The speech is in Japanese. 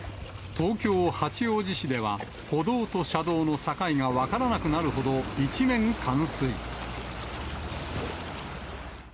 東京・八王子市では、歩道と車道の境が分からなくなるほど、一面、冠水。